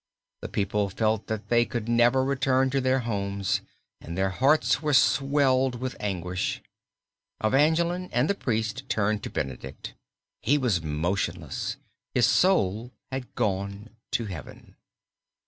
The people felt that they could never return to their homes and their hearts were swelled with anguish. Evangeline and the priest turned to Benedict. He was motionless, his soul had gone to Heaven.